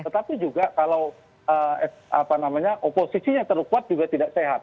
tetapi juga kalau oposisinya terkuat juga tidak sehat